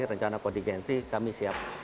rencana kontigensi kami siap